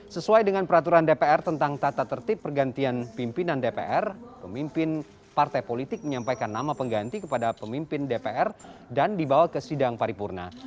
sesuai dengan peraturan dpr tentang tata tertib pergantian pimpinan dpr pemimpin partai politik menyampaikan nama pengganti kepada pemimpin dpr dan dibawa ke sidang paripurna